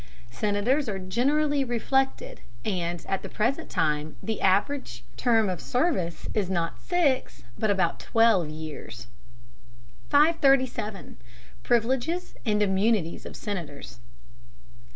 Senators are generally reflected, and at the present time the average term of service is not six, but about twelve years. 537. PRIVILEGES AND IMMUNITIES OF SENATORS.